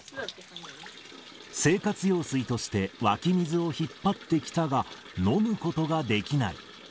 生活用水として湧き水を引っ張ってきたが、飲むことができない。